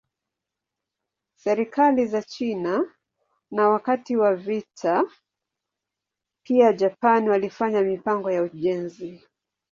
Serikali za China na wakati wa vita pia Japan walifanya mipango ya ujenzi.